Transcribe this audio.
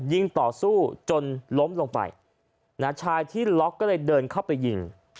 ยิงต่อสู้จนล้มลงไปชายที่ล็อกก็เลยเดินเข้าไปยิง